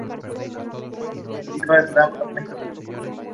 Hijo de Julio Zegers Samaniego y Micaela García Huidobro Márquez de la Plata.